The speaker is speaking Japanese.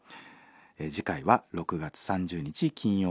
次回は６月３０日金曜日。